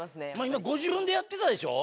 今ご自分でやってたでしょ？